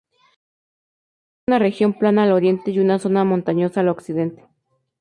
El territorio tiene una región Plana al Oriente y una zona Montañosa al Occidente.